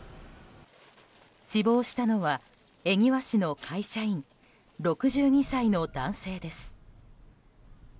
死亡したのは、恵庭市の会社員６２歳の男性です。